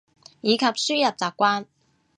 以及輸入習慣